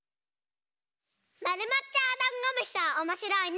まるまっちゃうだんごむしさんおもしろいね。